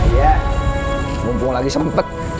iya mumpung lagi sempet